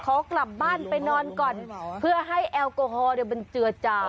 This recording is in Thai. ขอกลับบ้านไปนอนก่อนเพื่อให้แอลกอฮอล์มันเจือจา